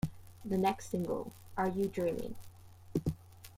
The next single, Are You Dreaming?